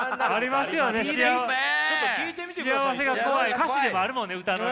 歌詞にもあるもんね歌のね。